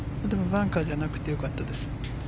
バンカーじゃなくてよかったです。